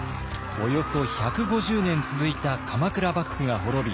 およそ１５０年続いた鎌倉幕府が滅び